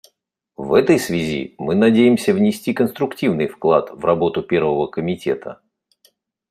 В этой связи мы надеемся внести конструктивный вклад в работу Первого комитета.